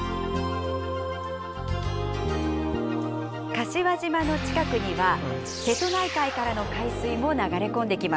柏島の近くには瀬戸内海からの海水も流れ込んできます。